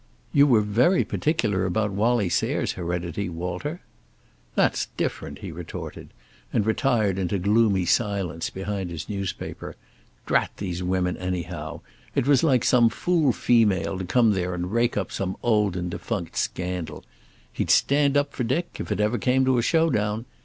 "You were very particular about Wallie Sayre's heredity, Walter." "That's different," he retorted, and retired into gloomy silence behind his newspaper. Drat these women anyhow. It was like some fool female to come there and rake up some old and defunct scandal. He'd stand up for Dick, if it ever came to a show down.